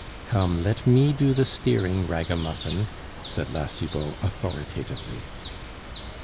"Come, let me do the steering, ragamuffin," said La Cibot authoritatively.